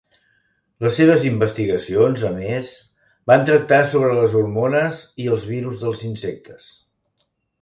Les seves investigacions, a més, van tractar sobre les hormones i els virus dels insectes.